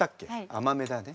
甘めだね。